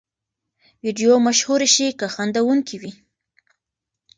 ویډیو مشهورې شي که خندوونکې وي.